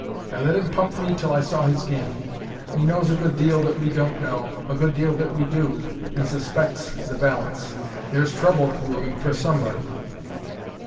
I let him pump me till I saw his game. He knows a good deal that we don't know, a good deal that we do, and suspects the balance. There's trouble brewing for somebody."